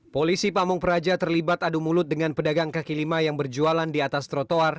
polisi pamung praja terlibat adu mulut dengan pedagang kaki lima yang berjualan di atas trotoar